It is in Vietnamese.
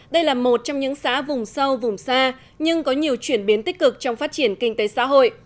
đây là một trong những xã vùng sâu vùng xa nhưng có nhiều chuyển biến tích cực trong phát triển kinh tế xã hội